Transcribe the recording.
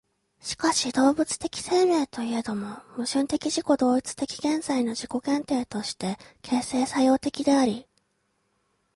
しかし動物的生命といえども、矛盾的自己同一的現在の自己限定として形成作用的であり、